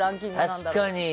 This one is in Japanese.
確かに。